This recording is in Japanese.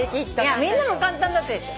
みんなも簡単だったでしょ。